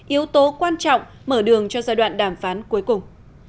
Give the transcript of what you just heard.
yếu tố quan trọng mở đường cho giai đoạn đàm phán cuối cùng